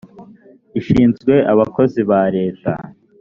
ishinzwe abakozi ba leta